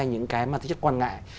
những cái mà thích chất quan ngại